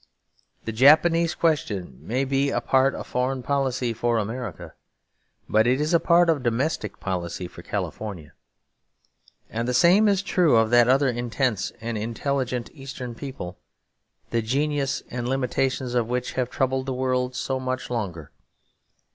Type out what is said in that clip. The Japanese question may be a part of foreign policy for America, but it is a part of domestic policy for California. And the same is true of that other intense and intelligent Eastern people, the genius and limitations of which have troubled the world so much longer.